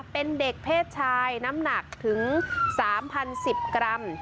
เป็นเด็กเพศชายน้ำหนักถึง๓๐๑๐กรัม